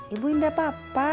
ibu indah papa